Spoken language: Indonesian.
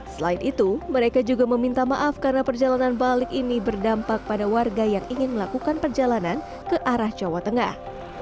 selain itu mereka juga meminta maaf karena perjalanan balik ini berdampak pada warga yang ingin melakukan perjalanan ke arah jawa tengah